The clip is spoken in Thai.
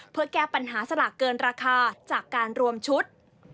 เพื่อแก้ปัญหาสลากเกินราคาจากการรวมชุด